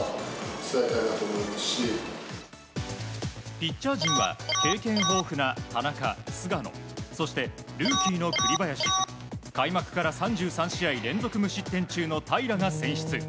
ピッチャー陣は経験豊富な田中、菅野そしてルーキーの栗林開幕から３３試合連続無失点中の平良が選出。